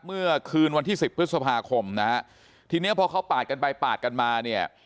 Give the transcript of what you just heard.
เมื่อคืนวันที่สิบพฤษภาคมนะฮะทีเนี้ยพอเขาปาดกันไปปาดกันมาเนี่ย